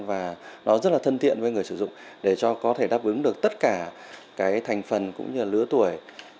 và rất thân thiện với người sử dụng để có thể đáp ứng được tất cả thành phần cũng như lứa tuổi